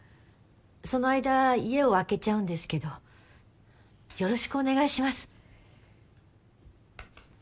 その間家を空けちゃうんですけどよろしくお願いします。